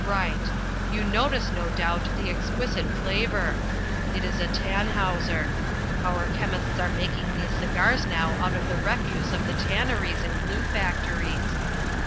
Right! You notice, no doubt, the exquisite flavour. It is a Tannhauser. Our chemists are making these cigars now out of the refuse of the tanneries and glue factories."